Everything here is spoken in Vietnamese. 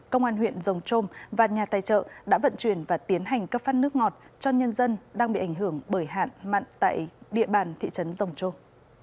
công an huyện rồng trôm và nhà tài trợ đã vận chuyển và tiến hành cấp phát nước ngọt cho nhân dân đang bị ảnh hưởng bởi hạn mặn tại địa bàn thị trấn rồng trôm